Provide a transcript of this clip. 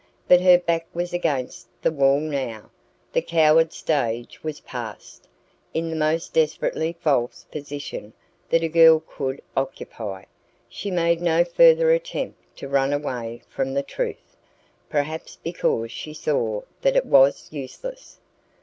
But her back was against the wall now. The coward stage was past. In the most desperately false position that a girl could occupy, she made no further attempt to run away from the truth, perhaps because she saw that it was useless.